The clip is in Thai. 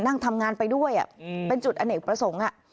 นั่งทำงานไปด้วยเป็นจุดอเนกประสงค์